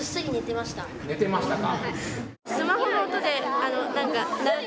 寝てましたか。